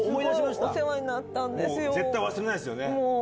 絶対忘れないですよね。